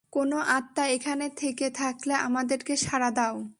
কোনো আত্মা এখানে থেকে থাকলে, আমাদেরকে সাড়া দাও।